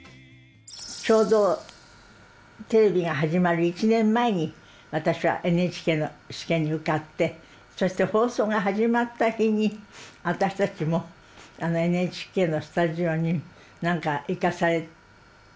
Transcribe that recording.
ちょうどテレビが始まる１年前に私はＮＨＫの試験に受かってそして放送が始まった日に私たちもＮＨＫのスタジオに何か行かされた覚えはあります。